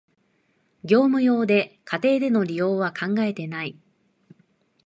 業務用で、家庭での利用は考えてない